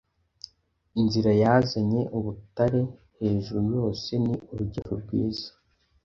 inzira yazanye ubutare hejuru yose ni urugero rwiza